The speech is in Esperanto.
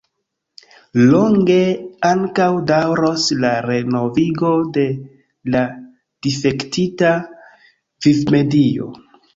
Longe ankaŭ daŭros la renovigo de la difektita vivmedio.